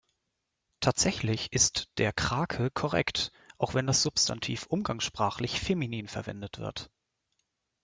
Tatsächlich ist der Krake korrekt, auch wenn das Substantiv umgangssprachlich feminin verwendet wird.